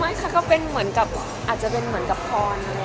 ไม่ค่ะก็เป็นเหมือนกับอาจจะเป็นเหมือนกับพรอย่างเงียบ